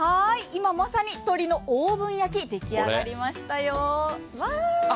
今まさに鶏のオーブン焼き、出来上がりましたよ。